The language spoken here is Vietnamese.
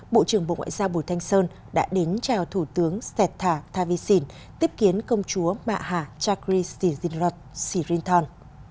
bộ trưởng bộ ngoại giao bùi thanh sơn đã đến chào thủ tướng sẹt thả tha vị xìn tiếp kiến công chúa mạ hạ chakri sirinthon